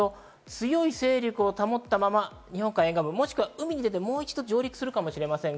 強い勢力を保ったまま日本海沿岸部、海に出てもう一度上陸するかもしれません。